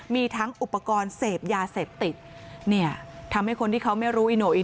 มีทั้งอุปกรณ์เสพยาเสพติดเนี่ยทำให้คนที่เขาไม่รู้อีโน่อี